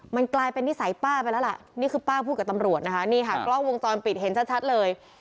มันกลายเป็นนิสัยป้าไปแล้วล่ะนี่คือป้าพูดกับตำรวจนะคะนี่ค่ะกล้องวงจรปิดเห็นชัดเลย